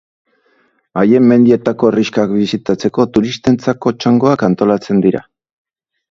Haien mendietako herrixkak bisitatzeko turistentzako txangoak antolatzen dira.